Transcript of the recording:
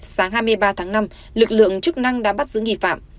sáng hai mươi ba tháng năm lực lượng chức năng đã bắt giữ nghị phạm